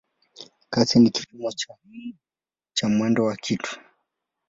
Kasi ni kipimo cha mwendo wa kitu.